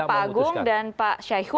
jadi tetap pak agung dan pak syaihu ya